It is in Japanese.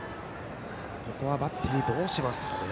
ここはバッテリーどうしますかね。